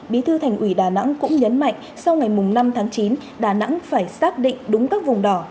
bí thư thành ủy đà nẵng cũng nhấn mạnh sau ngày năm tháng chín đà nẵng phải xác định đúng các vùng đỏ